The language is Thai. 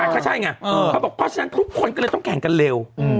ก็ใช่ไงเขาบอกเพราะฉะนั้นทุกคนก็เลยต้องแข่งกันเร็ว